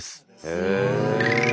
へえ。